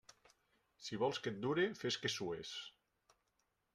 Si vols que et dure, fes que sues.